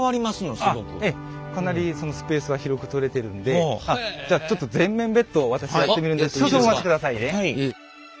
かなりスペースは広く取れてるんでじゃあちょっと全面ベッドを私やってみるんで少々お待ちくださいね。